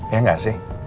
ya gak sih